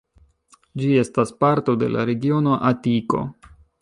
Ĝi estas parto de la regiono Atiko.